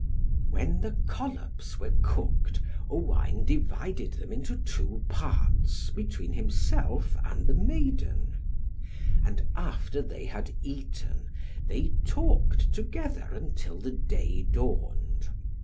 When the collops were cooked, Owain divided them into two parts, between himself and the maiden; and after they had eaten, they talked together until the day dawned.